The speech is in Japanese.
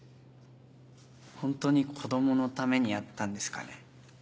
本当に子供のためにやったんですかね？